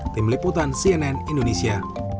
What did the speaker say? tim liputan cnn indonesia